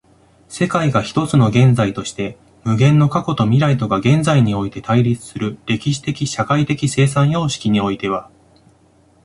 世界が一つの現在として、無限の過去と未来とが現在において対立する歴史的社会的生産様式においては、